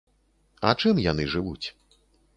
А чым яны жывуць?